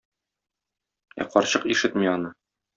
Ә карчык ишетми аны.